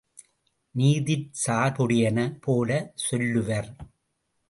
நீதிச் சார்புடையன போலச் சொல்லுவர்!